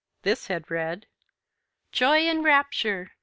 This had read: Joy and rapture!